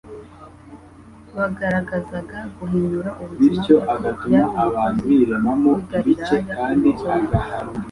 Bagaragazaga guhinyura ubuzima bwe ko yari umukozi w'i Galilaya w'umukene